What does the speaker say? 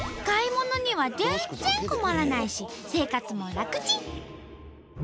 買い物には全然困らないし生活も楽チン！